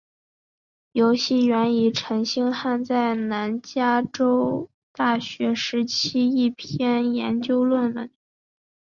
游戏源于陈星汉在南加州大学时期的一篇研究论文。